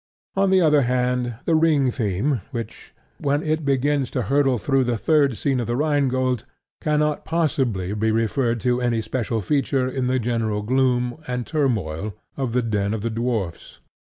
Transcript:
On the other hand, the ring theme, when it begins to hurtle through the third scene of The Rhine Gold, cannot possibly be referred to any special feature in the general gloom and turmoil of the den of the dwarfs.